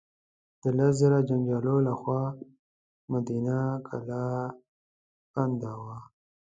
د لس زره جنګیالیو له خوا مدینه کلا بنده وه.